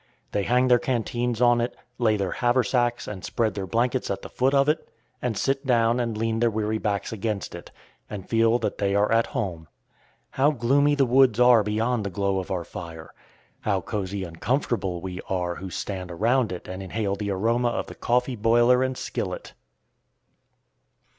They hang their canteens on it, lay their haversacks and spread their blankets at the foot of it, and sit down and lean their weary backs against it, and feel that they are at home. How gloomy the woods are beyond the glow of our fire! How cozy and comfortable we are who stand around it and inhale the aroma of the coffee boiler and skillet!